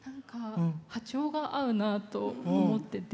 波長が合うなと思ってて。